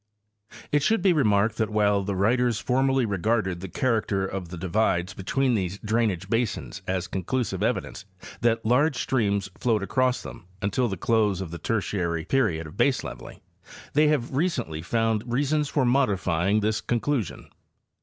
It should be remarked that while the writers formerly regarded the character of the divides between these drainage basins as conclusive evidence that large streams flowed across them until the close of the Tertiary period of baseleveling, they have recently _ found reasons for modifying this conclusion.